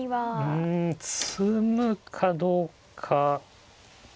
うん詰むかどうか。